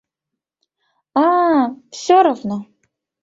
А-а, всё равно.